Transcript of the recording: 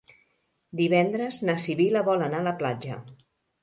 Divendres na Sibil·la vol anar a la platja.